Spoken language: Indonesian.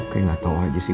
kayaknya gak tau aja sih